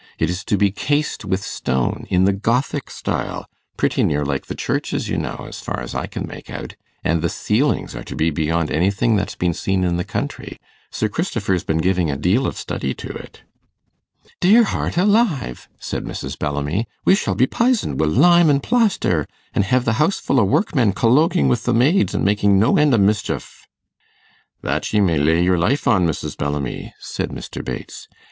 It is to be cased with stone, in the Gothic style pretty near like the churches, you know, as far as I can make out; and the ceilings are to be beyond anything that's been seen in the country. Sir Christopher's been giving a deal of study to it.' 'Dear heart alive!' said Mrs. Bellamy, 'we shall be pisoned wi' lime an' plaster, an' hev the house full o' workmen colloguing wi' the maids, an' makin' no end o' mischief.' 'That ye may ley your life on, Mrs. Bellamy,' said Mr. Bates.